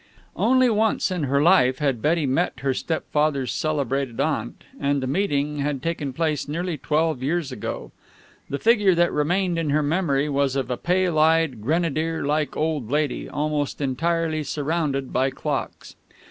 Only once in her life had Betty met her stepfather's celebrated aunt, and the meeting had taken place nearly twelve years ago. The figure that remained in her memory was of a pale eyed, grenadier like old lady, almost entirely surrounded by clocks.